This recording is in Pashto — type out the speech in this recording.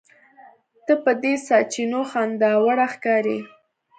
ته په دې ساسچنو خنداوړه ښکارې.